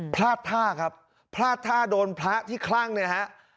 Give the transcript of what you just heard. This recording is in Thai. พลาดท่าครับพลาดท่าโดนพระที่คลั่งเนี่ยฮะ